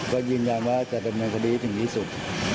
ก็ยืนยังว่าจะเป็นเมืองที่ดีถึงนี้สุด